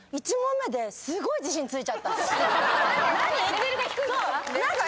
レベルが低いから？